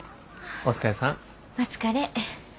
お疲れ。